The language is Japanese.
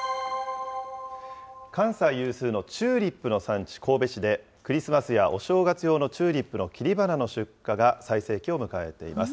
関西有数のチューリップの産地、神戸市で、クリスマスやお正月用のチューリップの切り花の出荷が最盛期を迎えています。